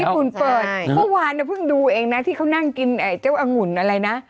เมื่อวานก็เพิ่งดูเองนะที่เขานั่งกินเจ้าอังุณอะไรนะ